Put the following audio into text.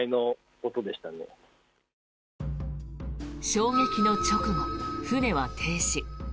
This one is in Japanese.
衝撃の直後、船は停止。